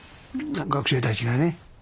学生たちがね。